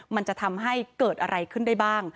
มันจะทำให้เกิดอะไรขึ้นได้บ้าง